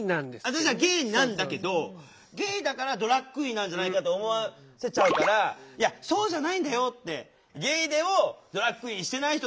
私はゲイなんだけどゲイだからドラァグクイーンなんじゃないかと思わせちゃうからいやそうじゃないんだよって。